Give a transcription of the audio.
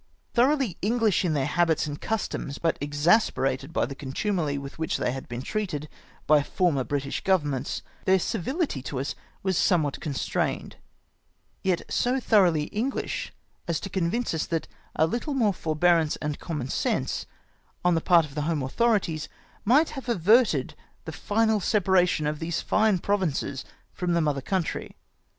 Thoroughly English in theu' habits and customs, but exasperated IIAESH TREATMENT OF THE AMEEICANS. 73 by tliG contumely with which they had been treated by former British governments, their civihty to us was somewhat constramed, yet so thoroughly Enghsh as to convince us that a little more forbearance and common sense on the part of the home authorities might have averted the final separation of these fine provinces from the mother country.